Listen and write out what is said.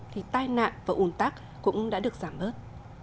thì tai nạn và ủn tắc cũng đã được giảm bớt